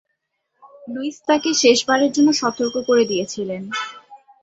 Luis তাকে শেষ বারের জন্য সতর্ক করে দিয়েছিলেন।